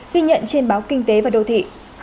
ghi nhận trên báo kinh tế và đô thị